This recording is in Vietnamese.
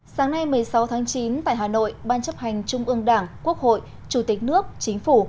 sáng nay một mươi sáu tháng chín tại hà nội ban chấp hành trung ương đảng quốc hội chủ tịch nước chính phủ